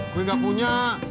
gue gak punya